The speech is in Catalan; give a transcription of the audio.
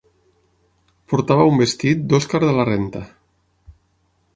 Portava un vestit d'Oscar de la Renta.